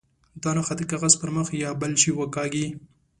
دا نښه د کاغذ پر مخ یا بل شي وکاږي.